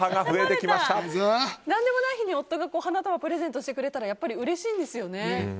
何でもない日に夫が花束をプレゼントしてくれたらやっぱりうれしいんですよね。